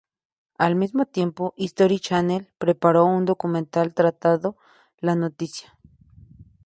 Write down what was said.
Al mismo tiempo, History Channel preparó un documental tratando la noticia.